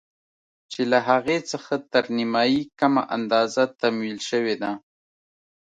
چې له هغې څخه تر نيمايي کمه اندازه تمويل شوې ده.